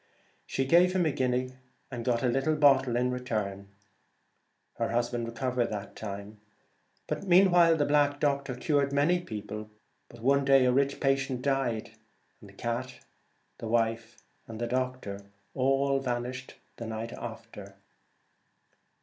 She gave him a guinea, and got a little bottle in 119 The return. Her husband recovered that time. Celtic Twilight. Meanwhile the black doctor cured many people ; but one day a rich patient died, and cat, wife, and doctor all vanished the night after.